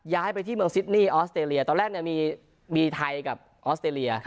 ย้ายไปที่เมืองซิดนี่ออสเตรเลียตอนแรกเนี่ยมีไทยกับออสเตรเลีย